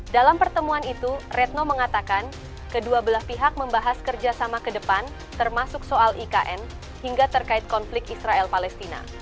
dalam pertemuan itu retno mengatakan kedua belah pihak membahas kerjasama ke depan termasuk soal ikn hingga terkait konflik israel palestina